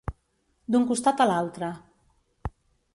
D'un costat a l'altre.